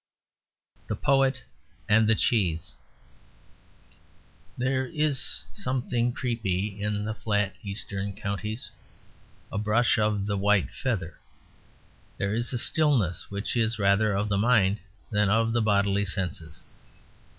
THE POET AND THE CHEESE There is something creepy in the flat Eastern Counties; a brush of the white feather. There is a stillness, which is rather of the mind than of the bodily senses.